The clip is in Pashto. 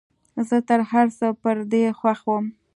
زه تر هرڅه پر دې خوښ وم.